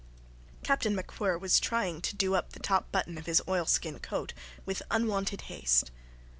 Captain MacWhirr was trying to do up the top button of his oilskin coat with unwonted haste.